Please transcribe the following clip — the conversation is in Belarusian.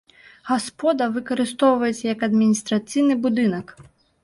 Гаспода выкарыстоўваецца як адміністрацыйны будынак.